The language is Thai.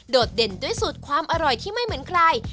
เด่นด้วยสูตรความอร่อยที่ไม่เหมือนใคร